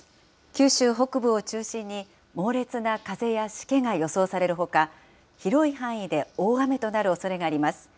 九州北部を中心に猛烈な風やしけが予想されるほか、広い範囲で大雨となるおそれがあります。